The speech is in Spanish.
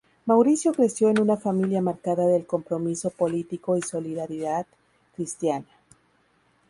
Mauricio creció en una familia marcada del compromiso político y solidaridad cristiana.